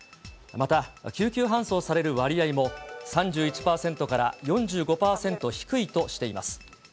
また、救急搬送される割合も、３１％から４５％低いとしています。